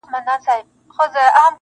منصوري کریږه یم له داره وځم,